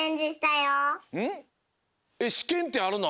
しけんってあるの？